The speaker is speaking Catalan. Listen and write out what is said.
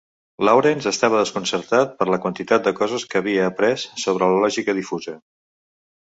Lawrence estava desconcertat per la quantitat de coses que havia après sobre la lògica difusa.